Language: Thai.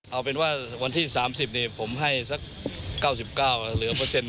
เอาเป็นว่าวันที่๓๐ผมให้สัก๙๙เหลือ๑